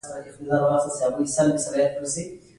داسې څه وشول چې د هغه ژوند یې بدل کړ